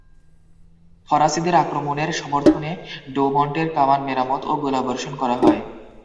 ফরাসিদের আক্রমণের সমর্থনে ডৌমন্টের কামান মেরামত ও গোলাবর্ষণ করা হয়।